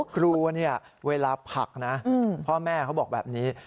ครูเนี่ยเวลาผลักนะพ่อแม่เขาบอกแบบนี้